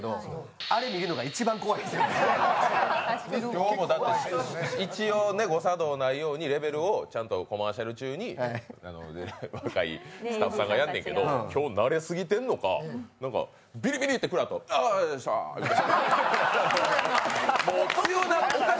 今日も一同、誤作動がないようにレベルをちゃんとコマーシャル中に若いスタッフさんがやってんけど今日慣れすぎてんのかビリビリって食らったあと、あしたって。